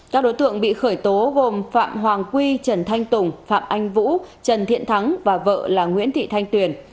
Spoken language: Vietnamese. các đối tượng bị khởi tố gồm phạm hoàng quy trần thanh tùng phạm anh vũ trần thiện thắng và vợ là nguyễn thị thanh tuyền